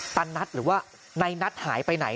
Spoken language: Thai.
นัทหรือว่าในนัทหายไปไหน